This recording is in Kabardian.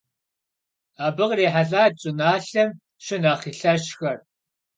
Abı khrihelh'at ş'ınalhem şınexh lheşxer.